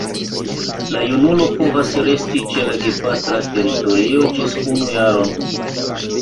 La junulo povas resti ĉe la gepatra teritorio ĝis unu jaron.